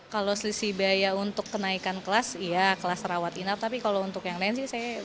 kalau selisih biaya untuk kenaikan kelas iya kelas rawat inap tapi kalau untuk yang lain sih